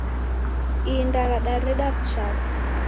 Inda radaredwa ni w'uchafu